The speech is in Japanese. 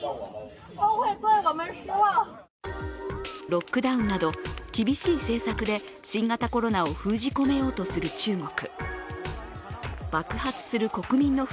ロックダウンなど厳しい政策で新型コロナを封じ込めようとする中国。